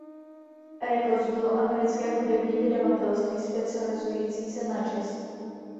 Records bylo americké hudební vydavatelství specializující se na jazz.